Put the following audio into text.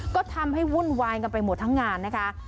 ก็ทำให้วุ่นวายกันไปหมดทั้งงานนะคะ